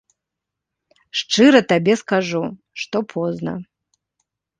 Шчыра табе скажу, што позна!